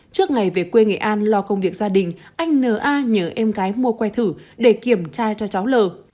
trước ngày về quê nghệ an lo công việc gia đình anh n a nhớ em gái mua quay thử để kiểm tra cho cháu lở